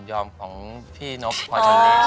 ยอมของพี่นกพอเชลศ